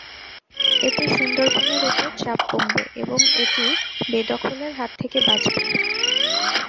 এতে সুন্দরবনের ওপর চাপ কমবে এবং এটি বেদখলের হাত থেকে বাঁচবে।